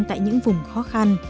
tại những vùng khó khăn